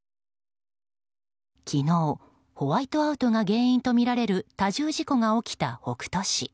昨日、ホワイトアウトが原因とみられる多重事故が起きた北斗市。